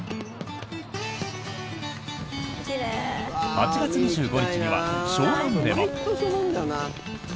８月２５日には湘南でも。